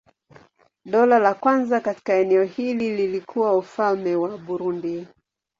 Dola la kwanza katika eneo hili lilikuwa Ufalme wa Burundi.